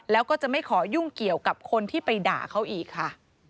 แล้วก็จะไม่ขอยุ่งเกี่ยวกับคนที่ไปด่าเขาอีกค่ะ